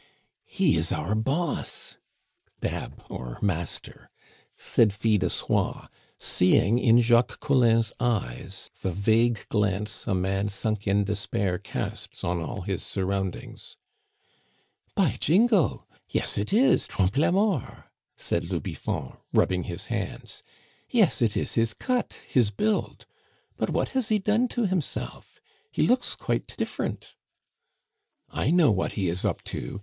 "He is our boss" (dab or master) said Fil de Soie, seeing in Jacques Collin's eyes the vague glance a man sunk in despair casts on all his surroundings. "By Jingo! Yes, it is Trompe la Mort," said le Biffon, rubbing his hands. "Yes, it is his cut, his build; but what has he done to himself? He looks quite different." "I know what he is up to!"